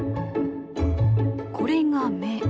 これが目。